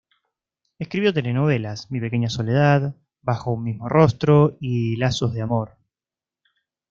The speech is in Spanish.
Escribió telenovelas: Mi pequeña Soledad, Bajo un mismo rostro y Lazos de amor.